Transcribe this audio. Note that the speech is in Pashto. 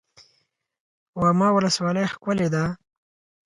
واما ولسوالۍ ښکلې ده؟